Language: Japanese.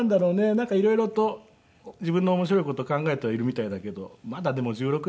なんか色々と自分の面白い事考えてはいるみたいだけどまだでも１６なんで。